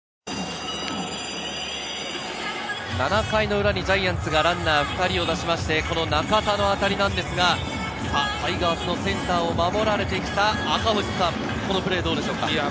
７回の裏にジャイアンツがランナー２人を出しまして、中田の当たりなんですが、タイガースのセンターを守られてきた赤星さん、このプレーどうでしょうか。